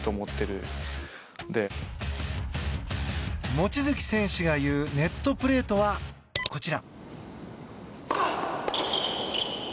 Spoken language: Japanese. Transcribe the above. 望月選手が言うネットプレーとは、こちら。